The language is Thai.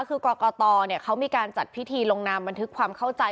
คือกรกตเขามีการจัดพิธีลงนามบันทึกความเข้าใจ